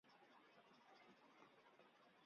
该站位于龙岗区龙岗街道龙岗社区。